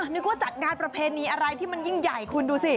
นึกว่าจัดงานประเพณีอะไรที่มันยิ่งใหญ่คุณดูสิ